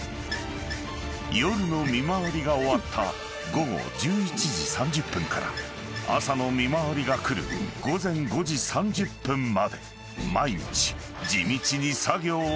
［夜の見回りが終わった午後１１時３０分から朝の見回りが来る午前５時３０分まで毎日地道に作業を続けた］